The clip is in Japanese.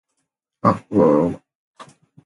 あっわわわ